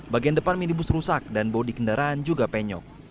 bagian depan minibus rusak dan bodi kendaraan juga penyok